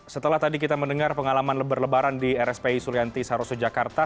setelah tadi kita mendengar pengalaman berlebaran di rspi sulianti saroso jakarta